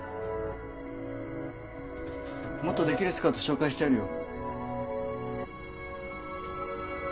もっとできるスカウト紹介してやるよ。